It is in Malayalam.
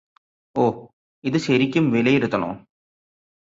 ഒഹ് ഇത് ശരിക്കും വിലയിരുത്തണോ